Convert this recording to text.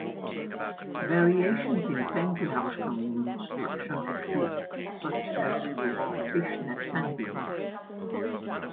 Variations in pantyhose construction exist, such as with fishnet pantyhose.